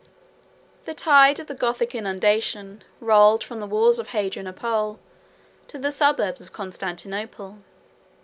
The tide of the Gothic inundation rolled from the walls of Hadrianople to the suburbs of Constantinople.